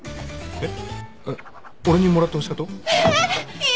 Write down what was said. えっ？